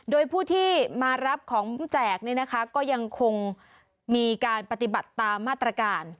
โดยผู้ที่มารับของแจกเนี่ยนะคะก็ยังคงมีการปฏิบัติตามมาตรการ